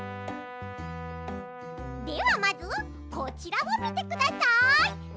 ではまずこちらをみてください。